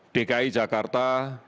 dki jakarta dua puluh satu empat ratus enam